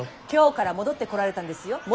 京から戻ってこられたんですよ。